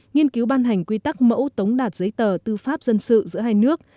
nghiên cứu ban hành quy tắc mẫu tống đạt giấy tờ tư pháp dân sự giữa hai nước